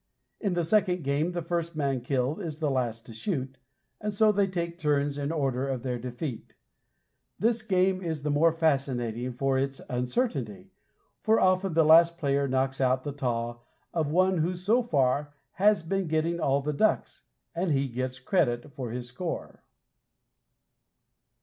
In the second game, the first man killed is the last to shoot, and so they take turns in the order of their defeat This game is the more fascinating for its uncertainty, for often the last player knocks out the taw of one who so far has been getting all the ducks, and he gets credit for his score.